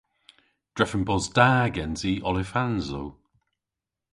Drefen bos da gensi olifansow.